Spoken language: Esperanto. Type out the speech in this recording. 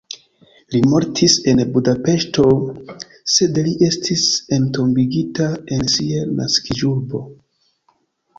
Li mortis en Budapeŝto, sed li estis entombigita en sia naskiĝurbo.